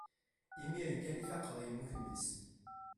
imir-n kan i faqeɣ yemmut mmi-s